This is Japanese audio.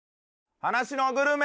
「歯無しのグルメ」